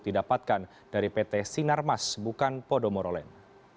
didapatkan dari pt sinarmas bukan podomorolen